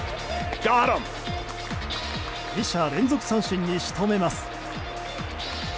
２者連続三振に仕留めます。